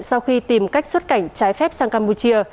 sau khi tìm cách xuất cảnh trái phép sang campuchia